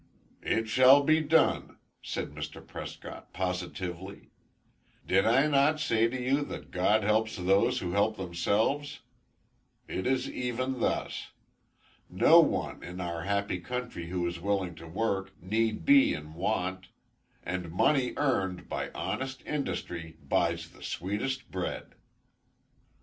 "It shall be done," said Mr. Prescott, positively. "Did I not say to you, that God helps those who help themselves? It is even thus. No one, in our happy country who is willing to work, need be in want; and money earned by honest industry buys the sweetest bread."